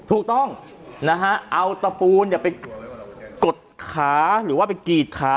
ถูกต้องนะฮะเอาตะปูนไปกดขาหรือว่าไปกรีดขา